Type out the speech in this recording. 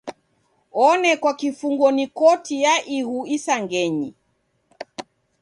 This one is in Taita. Onekwa kifungo ni Koti ya Ighu Isangenyi.